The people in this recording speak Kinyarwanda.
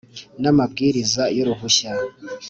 n amabwiriza y uruhushya